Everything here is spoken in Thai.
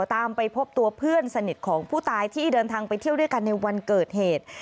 ตามไปพบตัวเพื่อนสนิทของผู้ตายที่เดินทางไปเที่ยวด้วยกันในวันเกิดเหตุ